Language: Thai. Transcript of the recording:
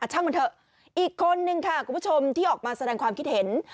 ช่างมันเถอะอีกคนนึงค่ะคุณผู้ชมที่ออกมาแสดงความคิดเห็น